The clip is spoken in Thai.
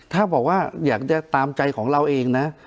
ถ้าบอกว่าอยากจะตามใจของเราเองนะ